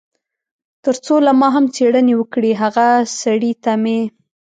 تر څو له ما هم څېړنې وکړي، هغه سړي ته مې.